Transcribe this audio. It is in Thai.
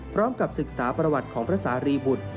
พร้อมกับศึกษาประวัติของพระสารีบุตร